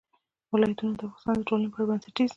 ولایتونه د افغانستان د ټولنې لپاره بنسټیز دي.